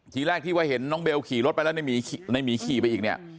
ทีแรกที่ว่าเห็นน้องเบลขี่รถไปแล้วในหมีขี่ไปอีกเนี่ย